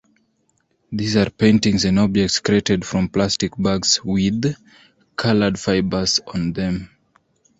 These are paintings and objects created from plastic bags with colored fibers on them.